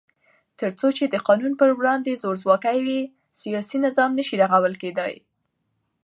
تر څو چې د قانون په وړاندې زورواکي وي، سیاسي نظام نشي رغول کېدای.